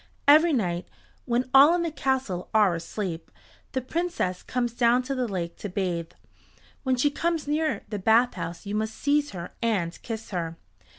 Every night, when all in the castle are asleep, the Princess comes down to the lake to bathe. When she comes near the bathhouse you must seize her and kiss her.